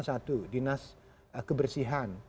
satu dinas kebersihan